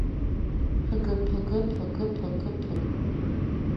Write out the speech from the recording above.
ფგფგფგფგფ